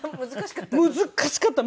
難しかったの？